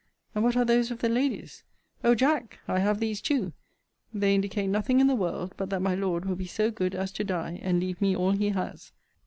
And what are those of the ladies? O Jack! I have these too: They indicate nothing in the world but that my Lord will be so good as to die, and leave me all he has.